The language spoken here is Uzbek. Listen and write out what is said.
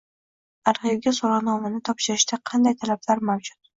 Arxivga so‘rovnomani topshirishda qanday talablar mavjud?